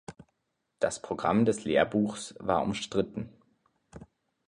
Das Programm des Lehrbuchs war umstritten.